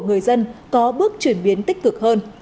người dân có bước chuyển biến tích cực hơn